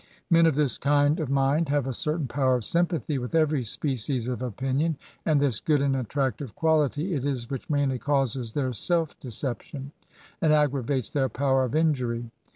Men of this kind of mind have a certain power of sympathy with every species of opinion ; and this good and attractive quality it is which mainly causes their self deception, and aggravates their power of injury.